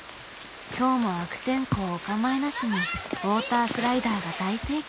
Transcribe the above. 今日も悪天候お構いなしにウォータースライダーが大盛況。